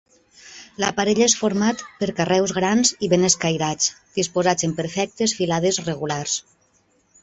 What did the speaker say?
L'aparell és format per carreus grans i ben escairats disposats en perfectes filades regulars.